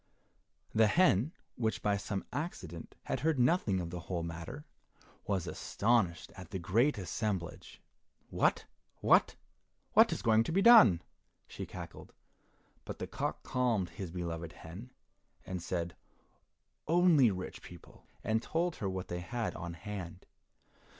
The hen, which by some accident had heard nothing of the whole matter, was astonished at the great assemblage. "What, what, what is going to be done?" she cackled; but the cock calmed his beloved hen, and said, "Only rich people," and told her what they had on hand.